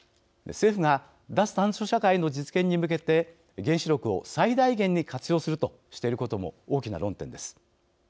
政府が、脱炭素社会の実現に向けて原子力を最大限に活用するとしていることも大きな論点です。